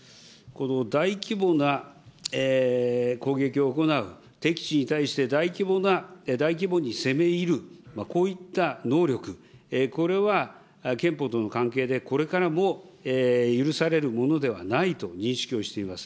この大規模な攻撃を行う敵地に対して大規模に攻め入る、こういった能力、これは憲法との関係でこれからも許されるものではないと認識をしています。